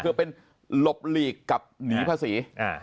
คือเป็นหลบหลีกกับหนีภาษี